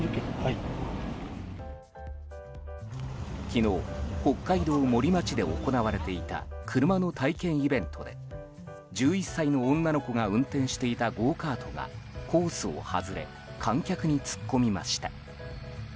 昨日北海道森町で行われていた車の体験イベントで１１歳の女の子が運転していたゴーカートが、コースを外れ観客に突っ込みました。